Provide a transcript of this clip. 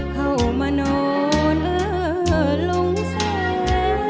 เข้ามาโน่นเลิศลงแสง